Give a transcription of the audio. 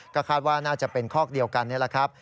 ก็คาดว่าน่าจะเป็นคอกเดียวกันนี่แหละครับ